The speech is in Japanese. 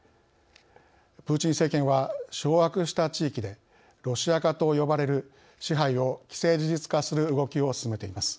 プーチン政権は掌握した地域で「ロシア化」と呼ばれる支配を既成事実化する動きを進めています。